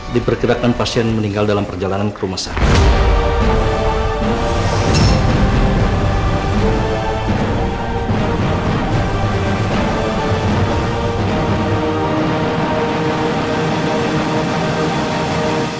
diperkirakan pasien meninggal dalam perjalanan ke rumah sakit